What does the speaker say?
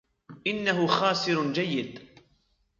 إنه خاسر جيد